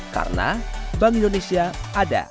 karena bank indonesia ada